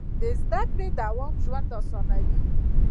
د زده کړې دوام ژوند اسانوي.